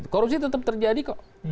korupsi tetap terjadi kok